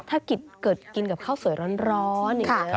ถ้าเกิดกินกับข้าวสวยร้อนอย่างนี้